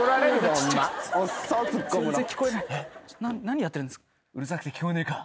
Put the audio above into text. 何やってるんですか？